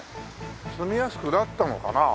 住みやすくなったのかな？